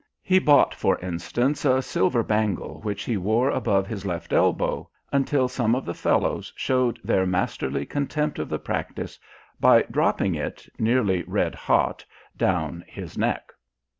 He bought, for instance, a silver bangle, which he wore above his left elbow, until some of the fellows showed their masterly contempt of the practice by dropping it nearly red hot down his neck.